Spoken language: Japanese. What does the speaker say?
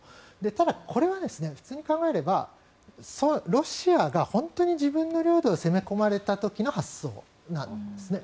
ただ、これは普通に考えればロシアが本当に自分の領土に攻め込まれた時の発想なんですね。